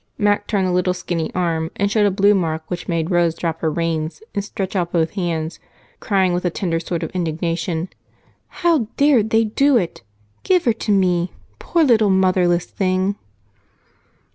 Mac turned the little skinny arm and showed a blue mark which made Rose drop her reins and stretch out both hands, crying with a tender sort of indignation: "How dared they do it? Give her to me, poor little motherless thing!"